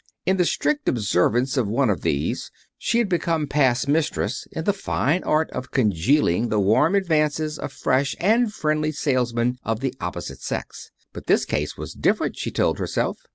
In the strict observance of one of these she had become past mistress in the fine art of congealing the warm advances of fresh and friendly salesmen of the opposite sex. But this case was different, she told herself.